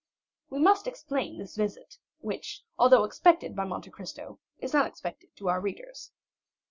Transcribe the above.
We must explain this visit, which although expected by Monte Cristo, is unexpected to our readers.